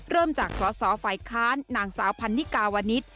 เริ่มจากสอสอฝ่ายค้านนางสาวพันนิกาวนิษฐ